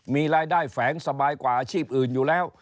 มีรายได้แฝงสบายกว่าอาชีพอื่นอยู่แล้ว